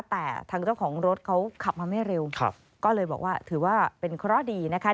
แต่ทางเจ้าของรถเขาขับมาไม่เร็วก็เลยบอกว่าถือว่าเป็นเคราะห์ดีนะคะ